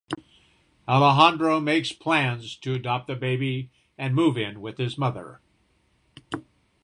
Alejandro makes plans to adopt the baby and move in with his mother.